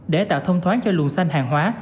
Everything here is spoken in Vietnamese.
để tạo thông thoáng cho luồng xanh hàng hóa